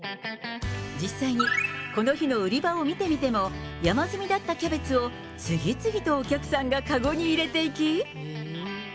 実際に、この日の売り場を見てみても、山積みだったキャベツを、次々とお客さんが籠に入れていき。